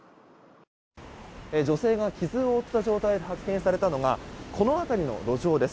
女性が傷を負った状態で発見されたのがこの辺りの路上です。